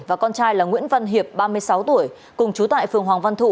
và con trai là nguyễn văn hiệp ba mươi sáu tuổi cùng chú tại phường hoàng văn thụ